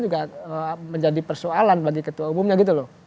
juga menjadi persoalan bagi ketua umumnya gitu loh